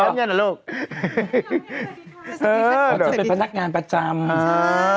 เขาจะเป็นพนักงานประจำ